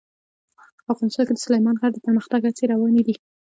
افغانستان کې د سلیمان غر د پرمختګ هڅې روانې دي.